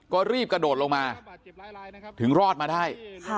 ก็รีบกระโดดลงมาถึงรอดมาได้